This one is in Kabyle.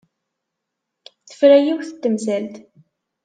Tefra yiwet n temsalt.